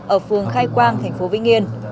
ở phường khai quang tp vĩnh yên